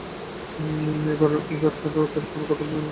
এবারকার রথের কথা তো বলেননি আমাকে?